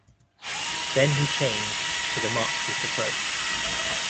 Then he changed to the Marxist approach.